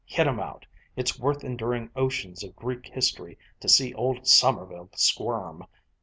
Hit 'em out! It's worth enduring oceans of Greek history to see old Sommerville squirm.